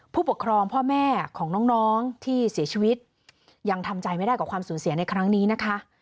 ผู้ปกครองพ่อแม่ของน้องที่เสียชีวิตยังทำใจไม่ได้กับความสูญเสียในครั้งนี้นะคะ